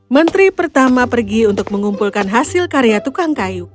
menteri pertama pergi untuk mengumpulkan hasil karya tukang kayu